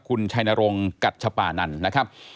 คุณชัยนรงกัชปานันนะครับ